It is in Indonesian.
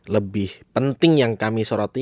lebih penting yang kami soroti